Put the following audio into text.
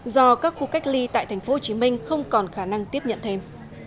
do các khu cách ly tại tp hcm không còn khả năng tiếp nhận thêm